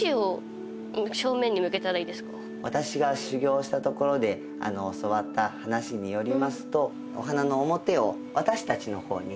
これ私が修行したところで教わった話によりますとお花の表を私たちの方に置かせて頂きます。